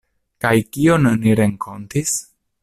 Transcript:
Kaj kion ni renkontis?